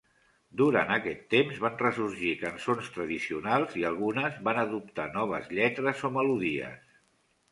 Durant aquest temps van ressorgir cançons tradicionals i algunes van adoptar noves lletres o melodies.